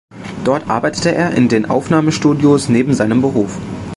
Dort arbeitete er in den Aufnahmestudios neben seinem Beruf.